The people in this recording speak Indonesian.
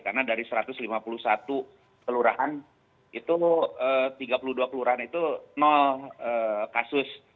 karena dari satu ratus lima puluh satu pelurahan itu tiga puluh dua pelurahan itu kasus